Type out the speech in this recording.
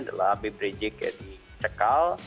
adalah habib rijik ya dicekal